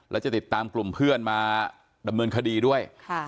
แล้วจะติดตามกลุ่มเพื่อนมาดำเนินคดีด้วย